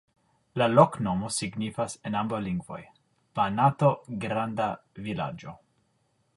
La loknomo signifas en ambaŭ lingvoj: Banato-granda-vilaĝo.